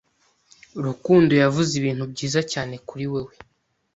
Rukundo yavuze ibintu byiza cyane kuri wewe.